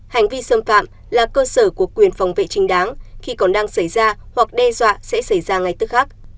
hành vi xâm phạm là cơ sở của quyền phòng vệ trình đáng khi còn đang xảy ra hoặc đe dọa sẽ xảy ra ngay tức khác